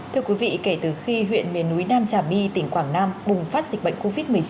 thưa quý vị kể từ khi huyện miền núi nam trà my tỉnh quảng nam bùng phát dịch bệnh covid một mươi chín